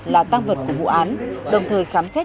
là tăng vật của vụ án đồng thời khám xét